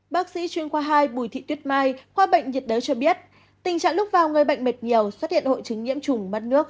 bác sĩ chuyên khoa hai bùi thị tuyết mai khoa bệnh nhiệt đới cho biết tình trạng lúc vào người bệnh mệt nhiều xuất hiện hội chứng nhiễm trùng mắt nước